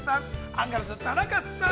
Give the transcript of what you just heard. アンガールズ・田中さん。